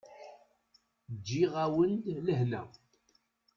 Ǧǧiɣ-awen-d lehna.